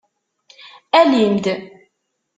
Alim-d!